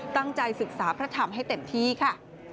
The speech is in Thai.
ศึกษาพระธรรมให้เต็มที่ค่ะ